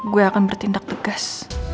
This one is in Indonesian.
gue akan bertindak tegas